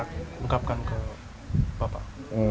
mengungkapkan ke bapak